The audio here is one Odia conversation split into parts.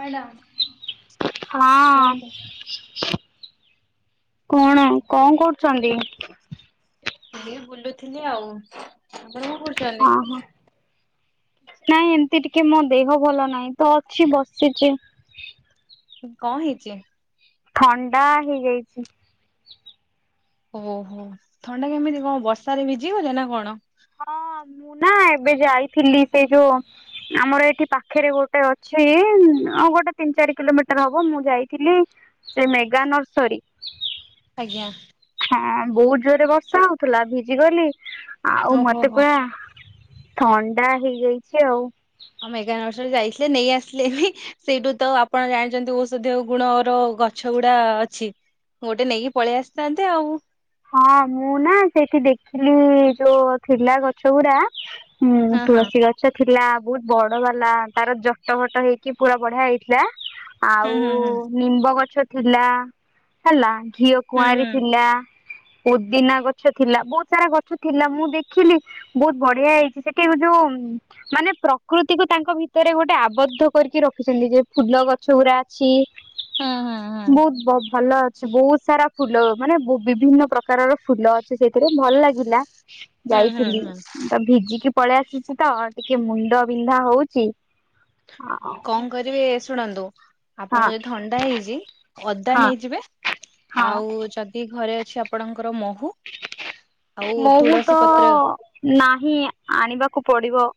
ମ୍ୟାଡ଼ାମ୍। ହଁ କୋଣ କଣ କରୁଛନ୍ତି? ଏଇ ବୁଲୁଥିଲି ଆଉ। ଆପଣ କଣ କରୁଛନ୍ତି? ହଁ ହଁ। ନାଇଁ ଏମିତି ଟିକେ ମୋ ଦେହ ଭଲ ନାହିଁ ତ ଅଛି ବସିଛି। କଣ ହେଇଛି? ଥଣ୍ଡା ହେଇଯାଇଛି। ଓହୋ ଥଣ୍ଡା କେମିତି କଣ ବର୍ଷାରେ ଭିଜିିଗଲେ ନା କଣ? ହଁ ମୁଁ ନା ଏବେ ଯାଇଥିଲି ସେ ଯୋ ଆମର ଏଇଠି ପାଖରେ ଗୋଟେ ଅଛି ଗୋଟେ ତିନି ଚାରି କିଲୋମିଟର ହବ ମୁଁ ଯାଇଥିଲି। ସେ ମେଗା ନର୍ସରୀ। ଆଜ୍ଞା। ହଁ ବହୁତ ଜୋରରେ ବର୍ଷା ହଉଥିଲା ଭିଜିଗଲି ଆଉ ଓହୋ ମତେ ହୋ। ପା ଥଣ୍ଡା ହେଇଯାଇଛି ଆଉ ମେଘା ନସରୀ ଯାଇଥିଲେ ନେଇ ଆସିଲେନି ସେଇଠୁ ତ ଆପଣ ଜାଣିଛନ୍ତି ଔଷଧୀୟ ଗୁଣର ଗଛ ଗୁଡା ଅଛି। ଗୋଟେ ନେଇକି ପଳେଇ ଆସିଥାନ୍ତେ ଆଉ ହଁ ମୁଁ ନା ସେଇଠି ଦେଖିଲି ଯୋଉ ଥିଲା ଗଛ ଗୁଡା ହୁଁ ହଁ ହଁ ତୁଳସୀ ଗ ଛ ଥିଲା ବହୁତ ବଡ ବାଲା ତାର ଜଟ ଫଟ ହେଇକି ପୁରା ବଢିଆ ହେଇଥିଲା ହୁଁ ଆଉ ହୁଁ ହୁଁ ନିମ୍ବ ଗଛ ଥିଲା ହେଲା ଘିଅ ହୁଁ କୁଆଁରୀ ଥିଲା ପୋଦିନା ଗଛ ଥିଲା ବହୁତ ସାରା ଗଛ ଥିଲା ମୁଁ ଦେଖିଲି ବହୁତ ବଢିଆ ହେଇଛି ସେଠି ଯୋଉ ମାନେ ପ୍ରକୃତିକୁ ତାଙ୍କ ଭିତରେ ଗୋଟେ ଆବଦ୍ଧ କରିକି ରଖିଛନ୍ତି ଯେ ଫୁଲ ଗଛ ଗୁଡା ଅଛି ହୁଁ ହୁଁ ହୁଁ ହୁଁ। ବହୁତ ଭ ଭଲ ଅଛି ବହୁତ ସାରା ଫୁଲ ମାନେ ବୁ ବିଭିନ୍ନ ପ୍ରକାରର ଫୁଲ ଅଛି ସେଇଥିରେ ଭଲ ଲାଗିଲା ହୁଁ ହୁଁ ଯାଇଥିଲି ହୁଁ ତ ଭିଜିକି ପଳେଇ ଆସିଛି ତ ଟିକେ ମୁଣ୍ଡ ବିନ୍ଧା ହଉଛି। ହଁ କଣ କରିବି ଶୁଣନ୍ତୁ ଆପଣ ଯଦି ଥଣ୍ଡା ହେଇଛି ଅଦା ହଁ ନେଇଯିବେ ହଁ ଆଉ ଯଦି ଘରେ ଅଛି ଆପଣଙ୍କର ମହୁ ଆଉ ମୁଁ ତୁଳସୀ ତ ପତ୍ର ନାହିଁ ଆଣିବାକୁ ପଡିବ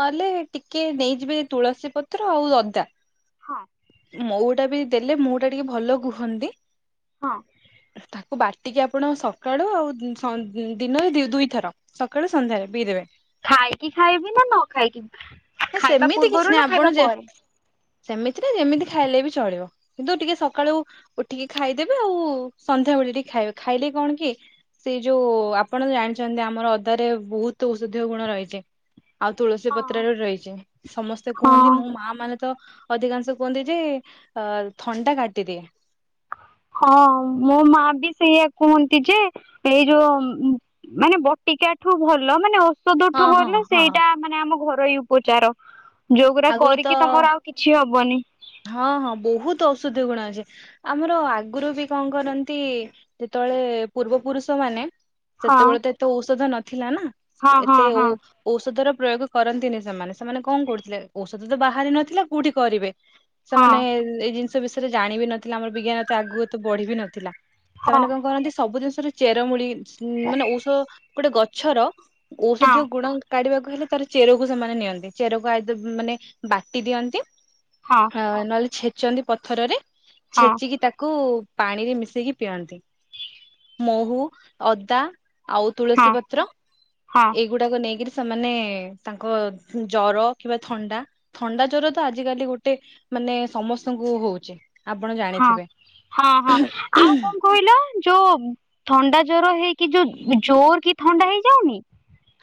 ନହେଲେ ଟିକେ ନେଇଯିବେ ତୁଳସୀ ପତ୍ର ଆଉ ଅଦା। ହଁ। ମହୁଟା ବି ଦେଲେ ମହୁ ଟା ଟିକେ ଭଲ କୁହନ୍ତି। ହଁ। ତାକୁ ବାଟିକି ଆପଣ ସକାଳୁ ଆଉ ସ ଦିନରେ ଦୁଇଥର ସକାଳୁ ସନ୍ଧ୍ୟାରେ ପିଇଦେବେ। ଖାଇକି ଖାଇବି ନା ନ ଖାଇକି? ନା ଖାଇବା ସେମିତି କିଛି ପୂର୍ବରୁ ନା ନାହିଁ ଖାଇବା ଆପଣ ଯେ ପରେ ସେମିତି ନା ଯେମିତି ଖାଇଲେ ବି ଚଳିବ। କିନ୍ତୁ ଟିକେ ସକାଳୁ ଉଠିକି ଖାଇଦେବେ ଆଉ ସନ୍ଧ୍ୟାବେଳେ ଟିକେ ଖାଇବେ ଖାଇଲେ କଣ କି ସେଇ ଯୋଉ ଆପଣ ଜାଣିଛନ୍ତି ଆମର ଅଦାରେ ବହୁତ ଔଷଧୀୟ ଗୁଣ ରହିଛି। ଆଉ ତୁଳସୀ ହଁ ପତ୍ରରେ ରହିଛି ସମସ୍ତେ ହଁ କୁହନ୍ତି ମୋ ମା ମାନେ ତ ଅଧିକାଂଶ କୁହନ୍ତି ଯେ ଅ ଥଣ୍ଡା କାଟିଦିଏ। ହଁ ମୋ ମା ବି ସେଇଆ କୁହନ୍ତି ଯେ ଏଇ ଯୋଉ ମାନେ ବଟିକା ଠୁ ଭଲ ମାନେ ଓ ଔଷଦ ହଁ ଟୁ ହଁ ଭଲ ହଁ ସେଇଟା ମାନେ ଆମ ଘରୋଇ ଉପଚାର ଯୋଉଗୁରା ଆଗରୁ ତ କରିକି ତମର କିଛି ହବନି। ହଁ ହଁ ବହୁତ ଔଷଧୀୟ ଗୁଣ ଅଛି। ଆମର ଆଗରୁ ବି କଣ କରନ୍ତି ଯେତେବେଳେ ପୂର୍ବପୁରୁଷ ମାନେ ହଁ ସେତେବେଳେ ତ ଏତେ ଔଷଧ ନଥିଲା ନା ହଁ ହଁ ଏତେ ଔ ହଁ ଔଷଧ ର ପ୍ରୟୋଗ କରନ୍ତିନି ସେମାନେ ସେମାନେ କଣ କରୁଥିଲେ ଔଷଧ ତ ବାହାରି ନଥିଲା କୋଉଠି କରିବେ ହଁ ସେମାନେ ଏଇ ଜିନିଷ ବିଷୟରେ ଜାଣିବି ନଥିଲେ ଆମର ବିଜ୍ଞାନ ଏତେ ଆଗକୁ ଏତେ ବଢିବି ନଥିଲା। ହଁ। ସେମାନେ କଣ କରନ୍ତି ସବୁ ଜିନିଷ ର ଚେରମୂଳି ମାନେ ଔଷ ଗୋଟେ ଗଛର ହଁ ଔଷଧୀୟ ଗୁଣ କାଢିବାକୁ ହେଲେ ତାର ଚେରକୁ ସେମାନେ ନିଅନ୍ତି ଚେରକୁ ଆ ମାନେ ବାଟି ଦିଅନ୍ତି ହଁ। ଅ ନହେଲେ ଛେଚନ୍ତି ପଥରରେ ଛେଚିକି ତାକୁ ପାଣିରେ ମିଶେଇକି ପିଅନ୍ତି। ମହୁ ଅଦା ଆଉ ହଁ ତୁଳସୀ ପତ୍ର ହଁ ଏ ଗୁଡାକ ନେଇକରି ସେମାନେ ତାଙ୍କ ଜର କିମ୍ବା ଥଣ୍ଡା ଥଣ୍ଡା ଜର ତ ଆଜିକାଲି ଗୋଟେ ମାନେ ସମସ୍ତଙ୍କୁ ହଉଛି। ଆପଣ ହଁ ଜାଣିଥିବେ। ହଁ ହଁ ଆଉ କଣ କହିଲ ଯୋଉ ଥଣ୍ଡା ଜର ହେଇକି ଯୋଉ ଜୋର କି ଥଣ୍ଡା ହେଇଯାଉନି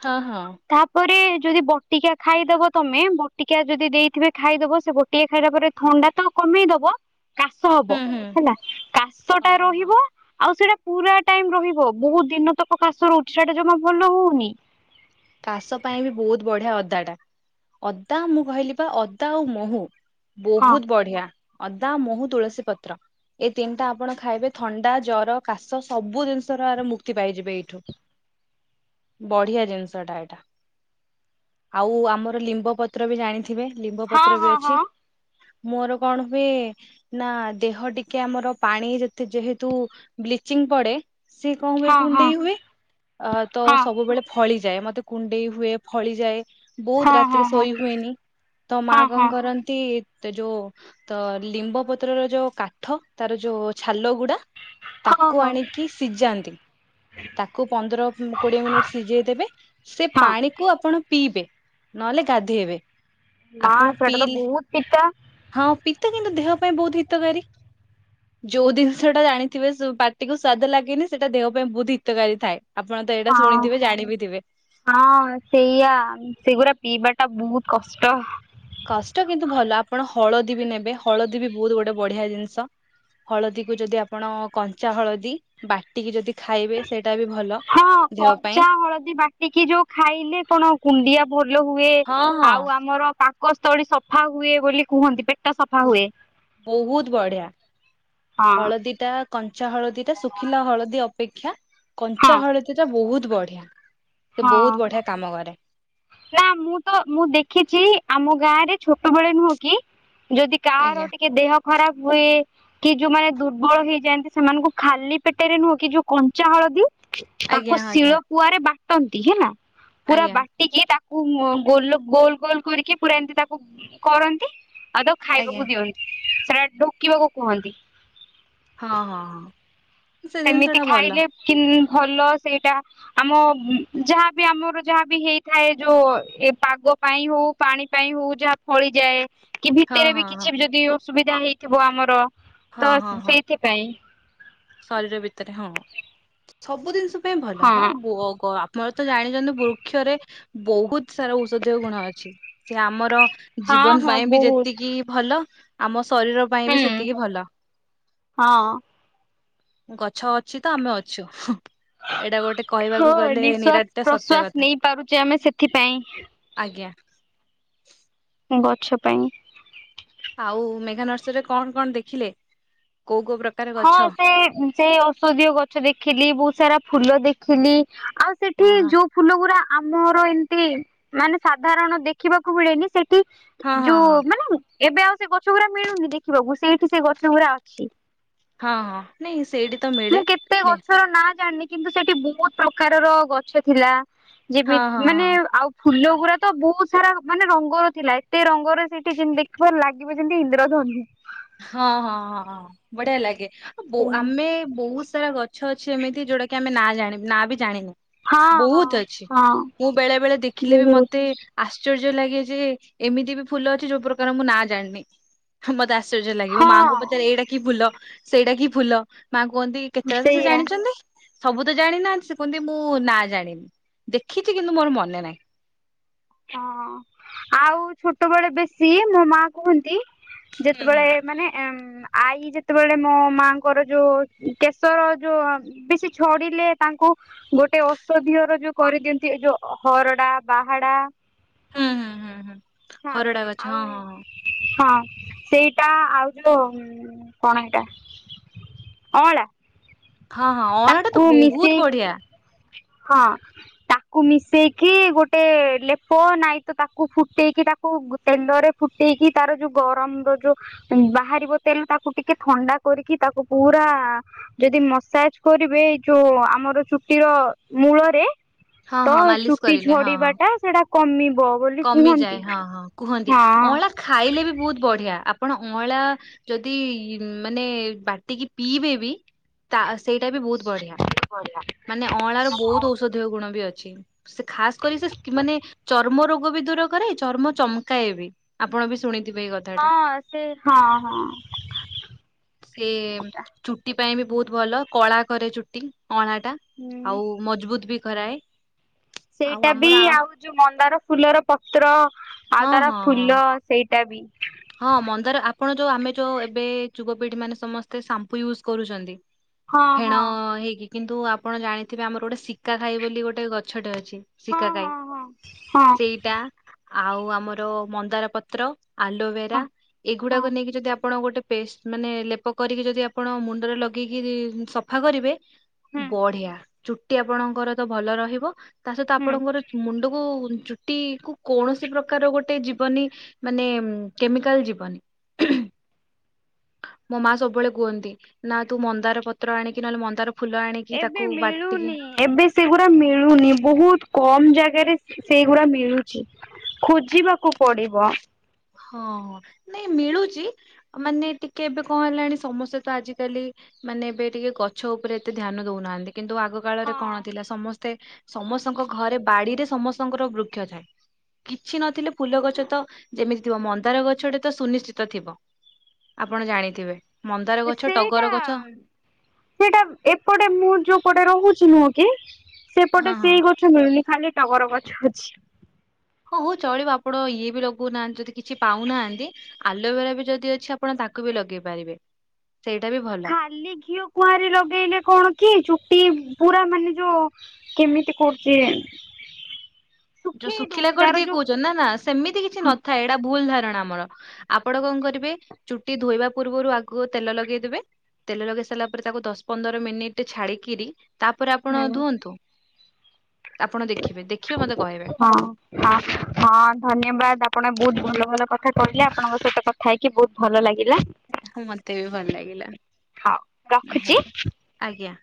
ହଁ ହଁ। ତାପରେ ଯଦି ବଟିକା ଖାଇଦବ ତମେ ବଟିକା ଯଦି ଦେଇଥିବେ ଖାଇଦବ ସେ ବ ଟିକା ଖାଇଲା ପରେ ଥଣ୍ଡା ତ କମେଇ ଦବ କାଶ ହବ ହୁଁ ହୁଁ। ହେଲା ହଁ କାଶଟା ହଁ ରହିବ ଆଉ ସେଇଟା ପୁରା ଟାଇମ ରହିବ ବୋହୁତ ଦିନ ତକ କାଶ ରହୁଚି ସେଟା ଜମା ଭଲ ହୋଉନି। କାଶ ପାଇଁ ବି ବୋହୁତ ବଢିଆ ଅଦାଟା ଅଦା ମୁଁ କହିଲି ପା ଅଦା ଆଉ ମୋହୁ ହଁ ବୋହୁତ ବଢିଆ ଅଦା, ମୋହୁ, ତୁଳସୀ ପତ୍ର। ଏଇ ତିନଟା ଆପଣ ଖାଇବେ ଥଣ୍ଡା, ଜର, କାଶ ସବୁ ଜିନିଷର ଆର ମୁକ୍ତି ପାଇଯିବେ ଏଇଠୁ। ବଢିଆ ଜିନିଷଟା ଏଇଟା ଆଉ ଆମର ଲିମ୍ବ ପତ୍ର ବି ଜାଣିଥି ଥିବେ ଲିମ୍ବ ହଁ ପତ୍ର ବି ହଁ ଅଛି ମୋର କଣ ହୁଏ ନା ଦେହ ଟିକେ ଆମର ପାଣି ଯେତେ ଯେହେତୁ ବ୍ଲିଚିଂ ପଡେ ସିଏ କଣ ହୁଏ ହଁ ହଁ କୁଣ୍ଡେଇ ହୁଏ ଅ ତ ହଁ ସବୁବେଳେ ଫଳି ଯାଏ ମତେ କୁଣ୍ଡେଇ ହୁଏ ଫଳି ଯାଏ। ବୋହୁତ ହଁ ହଁ ରାତିରେ ହଁ ଶୋଇ ହୁଏନି ତ ମାଆ ହଁ ହଁ କଣ କରନ୍ତି ତ ଯୋଉ ତ ଲିମ୍ବ ପତ୍ରର ଯୋଉ କାଠ ତାର ଯୋଉ ଛାଲ ଗୁଡା ହଁ ହଁ ତାକୁ ହଁ ଆଣିକି ସିଜାନ୍ତି ତାକୁ ପନ୍ଦର କୋଡିଏ ମିନିଟ ସିଜେଇଦେବେ ସେ ହଁ ପାଣିକୁ ଆପଣ ପିଇବେ ନହେଲେ ଗାଧେଇବେ। ନା ଆପଣ ସେଟା ତ ପିଇଲେ ବୋହୁତ ପିତା। ହଁ ପିତା କିନ୍ତୁ ଦେହ ପାଇଁ ବୋହୁତ ହିତକାରୀ। ଯୋଉ ଦିନଷଟା ଜାଣିଥିବେ ସୁ ପାଟିକୁୁ ସ୍ଵାଦ ଲାଗେନି ସେଟା ଦେହ ପାଇଁ ବୋହୁତ ହିତକାରୀ ଥାଏ। ଆପଣ ତ ଏଇଟା ହଁ ଶୁଣିଥିବେ ଜାଣିବି ଥିବେ। ହଁ ସେଇୟା ସେଗୁଡା ପିଇବାଟା ବୋହୁତ କଷ୍ଟ। କଷ୍ଟ କିନ୍ତୁ ଭଲ ଆପଣ ହଳଦୀ ବି ନେବେ ହଳଦୀ ବି ବୋହୁତ ଗୋଟେ ବଢିଆ ଜିନିଷ। ହଳଦୀକୁ ଯଦି ଆପଣ କଞ୍ଚା ହଳଦୀ ବା ଟିକି ଯଦି ଖାଇ ବେ ସେଇଟା ବି ଭଲ। ହଁ ଦେହ ପାଇଁ କଞ୍ଚା ହଳଦୀ ବାଟିକି ଯୋଉ ଖାଇଲେ କଣ କୁଣ୍ଡିଆ ଭଲ ହୁଏ। ହଁ ଆଉ ହଁ ଆମର ପାକସ୍ଥଳୀ ସଫା ହୁଏ ବୋଲି କୁହନ୍ତି ପେଟ୍ କୋହୁ ବୋହୁତ ବଢିଆ ହଁ। ହଳଦୀ ଟା କଞ୍ଚା ହଳଦୀଟା ଶୁଖିଲା ହଳଦୀ ଅପେକ୍ଷା କଞ୍ଚା ହଁ ହଳଦୀଟା ବୋହୁତ ବଢିଆ ସେ ହଁ ବୋହୁତ ବଢିଆ କାମ କରେ। ନା ମୁଁ ତ ମୁଁ ଦେଖିଚି ଆମ ଗାଁରେ ଛୋଟବେଳେ ନୁହଁ କି ଯଦି କାର ଆଜ୍ଞା ଟିକେ ଦେହ ଖରାପ ହୁଏ କି ଯୋଉମାନେ ଦୁର୍ବଳ ହେଇଯାଆନ୍ତି ସେମାନଙ୍କୁ ଖାଲି ପେଟରେ ନୁହଁ କି ଯୋଉ କଞ୍ଚା ହଳଦୀ ତାକୁ ଆଜ୍ଞା ଶିଳ ଆଜ୍ଞା ପୁଆରେ ବାଟନ୍ତି ହେଲା ପୁରା ଆଜ୍ଞା ବା ଟିକି ତାକୁ ମ୍ ଗୋଲ ଗୋଲ ଗୋଲ କରିକି ପୁରା ଏମତି ତାକୁ କରନ୍ତି ଆଉ ତାକୁ ଆଜ୍ଞା ଖାଇବାକୁ ଦିଅନ୍ତି ସେଟା ଢୋକିବାକୁ କୁହନ୍ତି। ହଁ ହଁ ହଁ। ସେ ଜିନିଷ ସେମିତି ଟା ଭଲ ଖାଇଲେ କିନ୍ ଭଲ ସେଇଟା। ଆମ ଯାହାବି ଆମର ଯାହାବି ହେଇଥାଏ ଯୋଉ ଏ ପାଗ ପାଇଁ ହୋଉ ପାଣି ପାଇଁ ହୋଉ ଯାହା ଫଳିଯାଏ କି ହଁ ଭିତେରେ ବି ହଁ ହଁ କିଛି ବି ଯଦି ଅସୁବିଧା ହେଇଥିବ ଆମର ହଁ ତ ହଁ ସ୍ ହଁ ସେଇଥିପାଇଁ। ଶରୀର ଭିତରେ ହଁ ସ୍-ସବୁ ଜିନଷ ପାଇଁ ଭଲ ହଁ ବୋ ଗ ଆ ଆମର ତ ଜାଣିଚନ୍ତି ବୃକ୍ଷରେ ବୋହୁତ ସାରା ଔଷଧୀୟ ଗୁଣ ଅଛି ସେ ଆମର ହଁ ଜୀବନ ହଁ ପାଇଁ ବି ବହୁତ ଯେତିକି ଭଲ ଆମ ଶରୀର ପାଇଁ ବି ହୁଁ ସେତିକି ଭଲ। ହଁ। ଗଛ ଅଛି ତ ଆମେ ଅଛୁ। ଏଇଟା ଗୋଟେ କହିବାକୁ ହଁ ଗଲେ ନିଶ୍ଵାସ ନିରାଟ ସତ୍ୟ ପ୍ରଶ୍ଵାସ କଥା। ନେଇ ପାରୁଛେ ଆମେ ସେଥିପାଇଁ ଆଜ୍ଞା। ଗଛ ପାଇଁ। ଆଉ ମେଘା ନର୍ସରୀରେ କଣ କଣ ଦେଖିଲେ କୋଉ କୋଉ ପ୍ରକ ହଁ ସେ ସେ ଔଷଧୀୟ ଗଛ ଦେଖିଲି ବହୁତ ସାରା ଫୁଲ ଦେଖିଲି ଆଉ ସେଠି ହଁ ହଁ ଯୋଉ ଫୁଲ ଗୁଡା ଆମର ଏମିତି ମାନେ ସାଧାରଣ ଦେଖିବାକୁ ମିଳେନି ସେଠ ଠି ହଁ ହଁ ଯୋଉ ହଁ ମାନେ ଏବେ ଆଉ ସେ ଗଛ ଗୁଡା ମିଳୁନି ଦେଖିବାକୁ ସେଇଠି ସେ ଗଛ ଗୁଡା ଅଛି। ହଁ। ନାଇଁ ସେଇଠି ତ ମି ମୁଁ କେତେ ଗଛର ନା ଜାଣିନି। କିନ୍ତୁ ସେଠି ବହୁତ ପ୍ରକାରର ଗଛ ଥିଲା ହଁ ହଁ ଯେମିତି ମାନେ ହଁ ଆଉ ଫୁଲ ଗୁଡା ତ ବହୁତ ସାରା ମାନେ ରଙ୍ଗର ଥିଲା ଏତେ ରଙ୍ଗର ସେଇଠି ଯେମିତି ଦେଖିବ ଲାଗିବ ଯେମିତି ଇନ୍ଦ୍ରଧନୁ। ହଁ ହଁ ହଁ ହଁ ବଢିଆ ଲାଗେ ଆ ଆମେ ବହୁତ ସାରା ଗଛ ଛ ଅଛି ଏମିତି ଯଉଟା କି ଆମେ ନା ଜାଣ ନାଁ ବି ଜାଣିନି। ହଁ ହଁ ବହୁତ ଅଛି ହଁ ମୁଁ ବେଳେ ବେଳେ ଦେଖିଲେ ବି ବହୁତ ମତେ। ଆଶ୍ଚର୍ଯ୍ୟ ଲାଗେ ଯେ ଏମିତି ବି ଫୁଲ ଅଛି ଯୋଉ ପ୍ରକାର ମୁଁ ନା ଜାଣିନି, ମତେ ଆଶ୍ଚର୍ଯ୍ୟ ଲାଗେ ମୁଁ ମାଆଙ୍କ ହଁ। ପଚରେ ଏଇଟା କି ଫୁଲ ସେଇଟା କି ଫୁଲ ମା କୁହନ୍ତି କେତେ କଥା ସେ ସେଇଆ ଜାଣିଚନ୍ତି? ସବୁ ତ ଜାଣିନାହାନ୍ତି ସେ କୁହନ୍ତି ମୁଁ ନା ଜାଣିନି ଦେଖିଛି କିନ୍ତୁ ମୋର ମନେ ନାହିଁ। ହଁ ଆଉ ଛୋଟବେଳେ ବେଶୀ ମୋ ମା କୁହନ୍ତି? ହୁଁ ଯେତେବେଳେ ହୁଁ। ମାନେ ଉ ଆଈ ଯେତେବେଳେ ମୋ ମାଙ୍କର ଯୋଉ କେଶର ଯୋଉ ବେଶୀ ଛଡିଲେ ତାଙ୍କୁ ଗୋଟେ ଔଷଧିଅ ର ଯୋଉ କରିଦିଅନ୍ତି ଯୋଉ ହରଡା, ବାହାଡା ହୁଁ ହୁଁ ହୁଁ ହୁଁ ହଁ ହରଡା ଗଛ ଆଉ ହଁ ହଁ ହଁ। ହଁ ସେଇଟା ଆଉ ଯୋଉ କଣ ଏଇଟା। ଅଁଳା। ହଁ ହଁ ଅଁଳା ଟା ତ ତାକୁ ବହୁତ ମିଶେଇ ବଢିଆ। ହଁ ତା କୁ ମିଶାଇକି ଗୋଟେ ଲେପ ନାଇ ତ ତାକୁ ଫୁଟାଇକି ତାକୁ ତେଲରେ ଫୁଟେଇକି ତାର ଯୋଉ ଗରମ ର ଯୋଉ ବାହାରିବ ତେଣୁ ତାକୁ ଟିକେ ଥଣ୍ଡା କରିକି ତାକୁ ପୁରା ଯଦି ମସାଜ କରିବେ ଏଇ ଯୋଉ ଆମର ଚୁଟି ର ମୂଳରେ ହଁ ତ ହଁ ମାଲିସ ଚୁଟି କରିଲେ ହଁ ଝଡିବା ହଁ। ଟା ସେଟା କମିବ। ବୋଲି କମିଯାଏ କୁହନ୍ତି ହଁ ହଁ କୁହନ୍ତି ହଁ। ଅଁଳା ଖାଇଲେ ବି ବହୁତ ବଢିଆ, ଆପଣ ଅଁଳା ଯଦି ମାନେ ବାଟିକି ପିଇବେ ବି ତା ସେଇଟା ବି ବହୁତ ବଢିଆ। ବଢିଆ। ନାଁ ଅଁଳା ର ବହୁତ ଔଷଧୀୟ ଗୁଣ ବି ଅଛି ଖାସ କରି ସେ ମାନେ ଚର୍ମ ରୋଗ ବି ଦୂର କରେ ଚର୍ମ ଚମକାଏ ବି ଆପଣ ବି ଶୁଣିଥିବେ ଏଇ କଥା। ହଁ ସେ ହଁ ହଁ। ସେ ଚୁଟି ପାଇଁ ବି ବହୁତ ଭଲ କଳା କରେ ଚୁଟି ଅଁଳା ଟା। ହୁଁ। ଆଉ ମଜବୁତ ବି କରାଏ। ଆଉ ସେଇଟା ବି ଆମର ଆଉ ଯୋଉ ମନ୍ଦାର ଫୁଲର ପତ୍ର ଆଉ ହଁ ତାର ହଁ ହଁ ଫୁଲ। ସେଇଟା ବି। ହଁ ମନ୍ଦାର ଆପଣ ଯୋଉ ଆମେ ଯୋଉ ଏବେ ଯୁବପିଢି ମାନେ ସମସ୍ତେ ସାମ୍ପୁ ୟୁଜ କରୁଛନ୍ତି। ହଁ ଫେଣ ହଁ। ହେଇକି କିନ୍ତୁ ଆପଣ ଜାଣିଥିବେ ଆମର ଗୋଟେ ଶିକା ଖାଇ ବୋଲି ଗୋଟେ ଗଛଟେ ଅଛି। ଶିଖା ହଁ କାଇ ହଁ ହଁ ହଁ ସେଇଟା। ଆଉ ଆମର ମନ୍ଦାର ପତ୍ର, ହଁ ଆଲୋଭେରା ହଁ ଏଇଗୁଡାକୁ ନେଇକି ଯଦି ଆପଣ ଗୋଟେ ପେଷ୍ଟ ମାନେ ଲେପ କରିକି ଯଦି ଆପଣ ମୁଣ୍ଡରେ ଲଗେଇକିରି ସ ସଫା କରିବେ ହୁଁ ବଢିଆ ଚୁଟି ଆପଣଙ୍କର ତ ଭଲ ରହିବ। ତା ସହିତ ହୁଁ ଆପଣଙ୍କର ମୁଣ୍ଡ କୁ ଚୁଟି କୁ କୌଣସି ପ୍ରକାର ଗୋଟେ ଯିବନି ମାନେ କେମିକାଲ ଯିବନି। ମୋ ମା ସବୁବେଳେ କୁହନ୍ତି ନା ତୁ ମନ୍ଦାର ପତ୍ର ଆଣିକି ନହେଲେ ମନ୍ଦାର ଫୁଲ ଆଣିକି ଏବେ ତାକୁ ବାଟିକି ମିଳୁନି ଏବେ ସେଗୁରାଆ ମିଳୁନି ବହୁତ କମ ଜାଗାରେ ସେଇଗୁରା ମିଳୁଛି ଖୋଜିବାକୁ ପଡିବ ହଁ ନାଇଁ ମିଳୁଛି ମାନେ ଟିକେ ଏବେ କଣ ହେଲାଣି ସମସ୍ତେ ତ ଆଜିକାଲି ମାନେ ଏବେ ଟିକେ ଗଛ ଉପରେ ଏତେ ଧ୍ୟାନ ଦଉନାହାନ୍ତି କିନ୍ତୁ ଆଗ କାଳରେ କଣ ହଁ ଥିଲା ସମସ୍ତେ ସମସ୍ତଙ୍କ ଘରେ ବାଡିରେ ସମସ୍ତଙ୍କର ବୃକ୍ଷ ଥାଏ କିଛି ନଥିଲେ ଫୁଲ ଗଛ ତ ଯେମିତି ଥିବ ମନ୍ଦାର ଗଛଟେ ତ ସୁନିଶ୍ଚିତ ଥିବ ଆପଣ ଜାଣିଥିବେ ମନ୍ଦାର ଗଛ ସେଇଟା ଟଗର ଗଛ ସେଇଟା ଏପଟେ ମୁଁ ଯୋଉପଟେ ରହୁଛି ନୁହଁ କି ସେପଟେ ସେଇ ଘ ହଁ ମିଳିଲେ ଖାଲି ଟଗର ଗଛ ଅଛି। ହଁ ହଉ ଚଳିବ ଆପଣ ଇଏ ବି ଲଗଉନାହାନ୍ତି ଯଦି କିଛି ପାଉନାହାନ୍ତି ଆଲୋଭେରା ବି ଯଦି ଅଛି ଆପଣ ତାକୁ ବି ଲଗେଇ ପାରିବେ ସେଇଟା ବି ଭଲ କାଲି ଘିଅ କୁଆଁର ଲଗେଇଲେ କଣ କି ଚୁଟି ପୁରା ମାନେ ଯୋଉ କେମିତି କରୁଛି ଏ ଯୋଉ ଶୁଖିଲା କରିଦିଏ କହୁଛ ନା ନା ସେମିତି କିଛି ନଥାଏ ଏଇଟା ଭୁଲ ଧାରଣା ଆମର ଆପଣ କଣ କରିବେ ଚୁଟି ଧୋଇବା ପୂର୍ବରୁ ଆଗକୁ ତେଲ ଲଗେଇଦେବେ ତେଲ ଲଗେଇ ସାରିଲା ପରେ ତାକୁ ଦଶ ପନ୍ଦର ମିନିଟ ଛାଡିକିରି ତାପରେ ଆପଣ ହୁଁ ଧୁଅନ୍ତୁ ଆପଣ ଦେଖିବେ ଦେଖିବ ମତେ କହିବେ। ହଁ ହଁ ହଁ ଧନ୍ୟବାଦ ଆପଣ ବହୁତ ଭଲ ଭଲ କଥା କହିଲେ ଆପଣଙ୍କ ସହିତ କଥା ହେଇକି ବହୁତ ଭଲ ଲାଗିଲା ହୁ ମତେ ବି ଭଲ ହଉ ଲାଗିଲା ରଖୁଛି। ହୋ ଆଜ୍ଞା